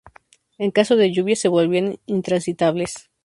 En caso de lluvias se volvían intransitables.